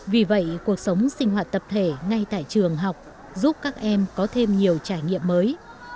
vì vậy cuộc sống sinh hoạt tập thể ngay tại trường học giúp các em có thêm nhiều trải nghiệm mới